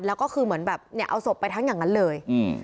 แล้วก็คือเหมือนแบบเนี่ยเอาศพไปทั้งอย่างนั้นเลย